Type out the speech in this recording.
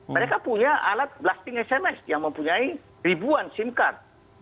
mereka punya alat blasting sms yang mempunyai ribuan sim card